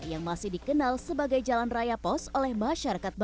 yang masih dikenal sebagai jalan raya pos oleh masyarakat